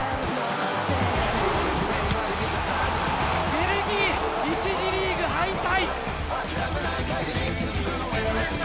ベルギー、１次リーグ敗退。